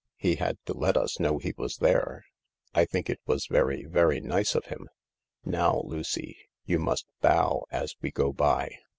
He had to let us know he was there. I think it was very, very nice of him. Now, Lucy, you must bow as we go by."